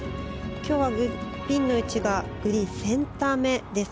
今日はピンの位置がグリーンセンターめです。